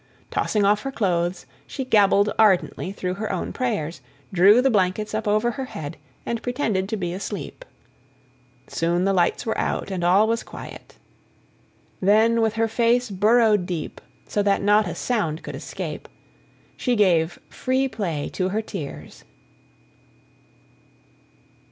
Tossing off her clothes, she gabbled ardently through her own prayers, drew the blankets up over her head, and pretended to be asleep. Soon the lights were out and all was quiet. Then, with her face burrowed deep, so that not a sound could escape, she gave free play to her tears.